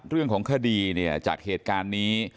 เรื่องของคดีเนี่ยจากเหตุการณ์นี้